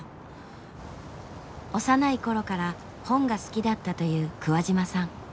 幼い頃から本が好きだったという桑島さん。